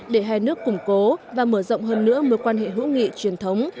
để hai nước củng cố và mở rộng hơn nữa mối quan hệ hữu nghị truyền thống